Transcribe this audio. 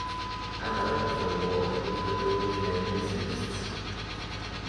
An electoral ward with the village name exists.